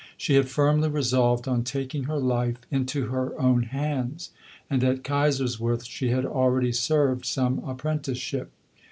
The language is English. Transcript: She had firmly resolved on taking her life into her own hands; and at Kaiserswerth she had already served some apprenticeship.